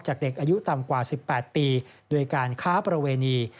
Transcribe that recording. เด็กอายุต่ำกว่า๑๘ปีโดยการค้าประเวณี